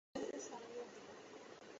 মহেন্দ্র সরাইয়া দিল।